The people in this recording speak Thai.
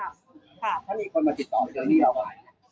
มีคนมาติดต่อเจ้านี่แล้วไหม